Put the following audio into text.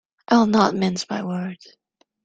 I will not mince my words.